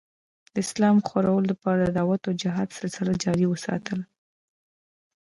د اسلام خورلو دپاره د دعوت او جهاد سلسله جاري اوساتله